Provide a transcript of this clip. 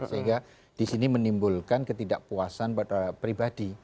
sehingga disini menimbulkan ketidakpuasan pribadi